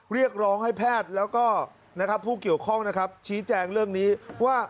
เรียกร้องให้แพทย์แล้วก็ผู้เกี่ยวข้องนะครับชี้แจงเรื่องนี้ว่า